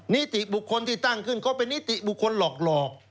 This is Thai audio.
นิติบุคคลที่ตั้งขึ้นก็เป็นนิติบุคคลหลอก